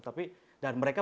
tapi dan mereka